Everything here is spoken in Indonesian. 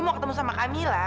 mau ketemu sama camilla